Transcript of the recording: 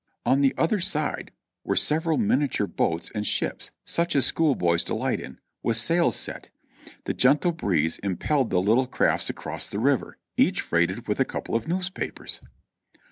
On the other side were several miniature boats and ships — such as school boys delight in — with sails set ; the gentle breeze im pelled the little crafts across the river, each freighted with a couple of newspapers.